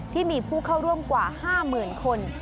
ที่มีผู้เข้าร่วมกว่า๕๐๐๐คน